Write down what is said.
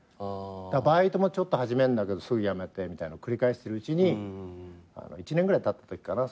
バイトもちょっと始めるんだけどすぐ辞めてみたいのを繰り返してるうちに１年ぐらいたったときかな？